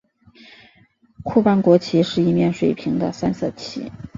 库班国旗是一面水平的三色旗。